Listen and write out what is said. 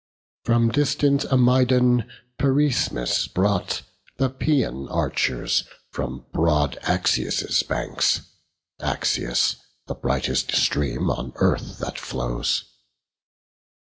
From distant Amydon Pyraecmes brought The Paeon archers from broad Axius' banks; Axius, the brightest stream on earth that flows.